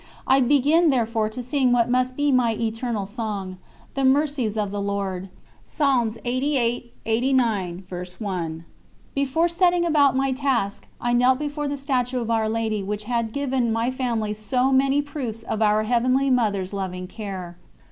I begin therefore to sing what must be my eternal song: "the Mercies of the Lord." Before setting about my task I knelt before the statue of Our Lady which had given my family so many proofs of Our Heavenly Mother's loving care.